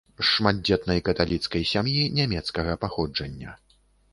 З шматдзетнай каталіцкай сям'і нямецкага паходжання.